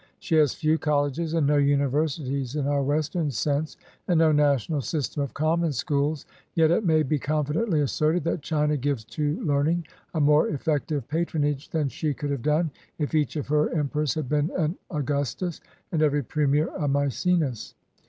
She has few colleges and no universities in our Western sense, and no national system of common schools; yet it may be confidently asserted that China gives to learning a more effective patronage than she could have done if each of her emper ors had been an Augustus and every premier a Maecenas.